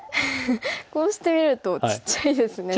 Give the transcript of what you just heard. こうしてみるとちっちゃいですね白。